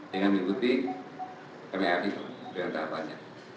dengan mengikuti pr itu dengan tahapannya